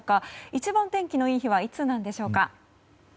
一番天気のいい日はいつなんでしょうか。